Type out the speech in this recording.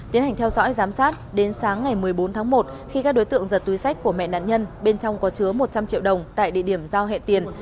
tiến hành theo dõi giám sát đến sáng ngày một mươi bốn tháng một khi các đối tượng giật túi sách của mẹ nạn nhân bên trong có chứa một trăm linh triệu đồng tại địa điểm giao hệ tiền